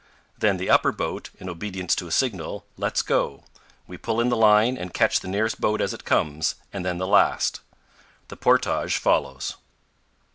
Then the upper boat, in obedience to a signal, lets go; we pull in the line and catch the nearest boat as it comes, and then the last. The portage follows.